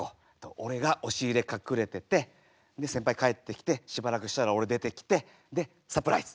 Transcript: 俺が押し入れ隠れててで先輩帰ってきてしばらくしたら俺出てきてでサプライズ。